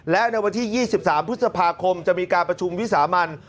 และในวันที่๒๓พฤษภาคมจะมีการประชุมวิสามัน